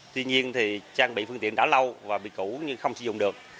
tuy nhiên thì trang bị phương tiện đã lâu và bị cũ nhưng không sử dụng được